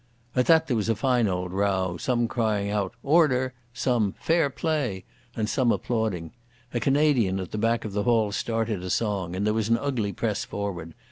At that there was a fine old row, some crying out "Order", some "Fair play", and some applauding. A Canadian at the back of the hall started a song, and there was an ugly press forward.